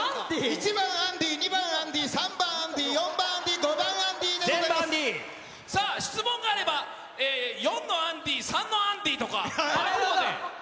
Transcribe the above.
１番、アンディー、２番、アンディー、３番、アンディー、４番、アンディー、５番、アンデさあ、質問があれば４のアンディー、３のアンディーとか番号で。